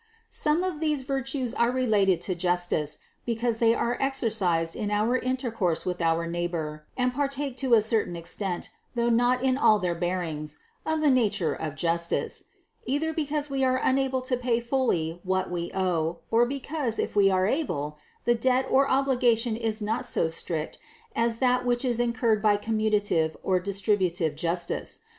Some of these virtues are related to justice, because they are exercised in our intercourse with our neighbor and partake to a certain extent, though not in all their bearings, of the nature of justice; either because we are unable to pay fully what we owe, or because, if we are able, the debt or obligation is not so strict as that which is incurred by commutative or distributive justice.